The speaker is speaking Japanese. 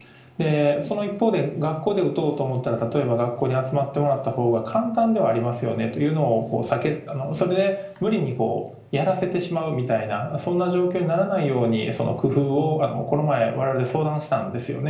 その一方で、学校で打とうと思ったら、例えば学校に集まってもらったほうが簡単ではありますよねというのを、それで無理にやらせてしまうという、そんな状況にならないように工夫をこの前われわれ相談したんですよね。